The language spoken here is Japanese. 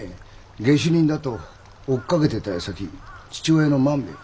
下手人だと追っかけてたやさき父親の万兵衛が。